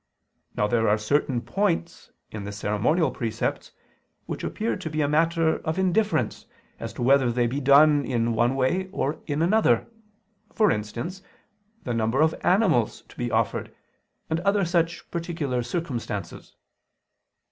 Now there are certain points in the ceremonial precepts, which appear to be a matter of indifference, as to whether they be done in one way or in another: for instance, the number of animals to be offered, and other such particular circumstances.